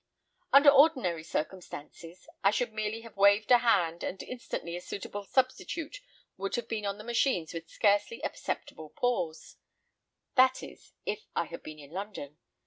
Under ordinary circumstances I should merely have waved a hand, and instantly a suitable substitute would have been on the machines with scarcely a perceptible pause—that is, if I had been in London.